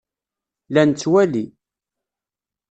La nettwali.